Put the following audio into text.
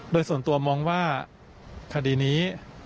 โดยส่วนตัวมองว่าคดีนี้